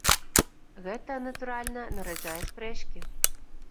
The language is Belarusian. Гэта, натуральна, нараджае спрэчкі.